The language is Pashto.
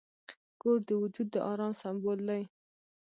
کور د وجود د آرام سمبول دی.